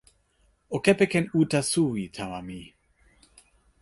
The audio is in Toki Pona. o kepeken uta suwi tawa mi.